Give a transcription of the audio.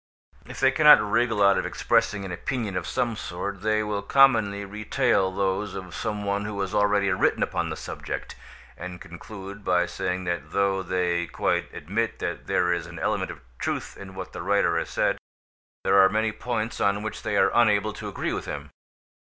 If they cannot wriggle out of expressing an opinion of some sort, they will commonly retail those of some one who has already written upon the subject, and conclude by saying that though they quite admit that there is an element of truth in what the writer has said, there are many points on which they are unable to agree with him.